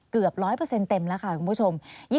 เกือบ๑๐๐เต็มแล้วค่ะคุณผู้ชม